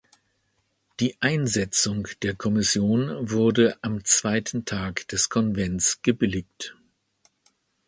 Die Einsetzung der Kommission wurde am zweiten Tag des Konvents gebilligt.